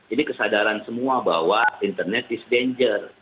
ini kesadaran semua bahwa internet is danger